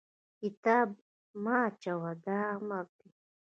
کتاب مه اچوه! دا امر دی.